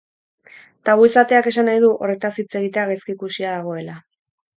Tabu izateak esan nahi du, horretaz hitz egitea gaizki ikusia dagoela.